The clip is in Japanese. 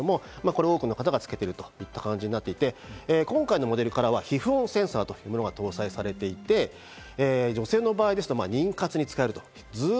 多くの方がつけているという感じになっていって、今回のモデルからは皮膚温センサーが搭載されていて、女性の場合ですと、妊活に使える。